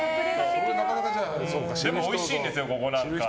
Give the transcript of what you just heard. でも、おいしいんですよ、ここ。